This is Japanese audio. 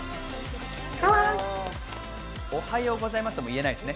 おはようございますとも言えないですね。